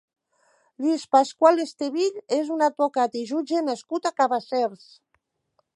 Lluís Pascual Estevill és un advocat i jutge nascut a Cabassers.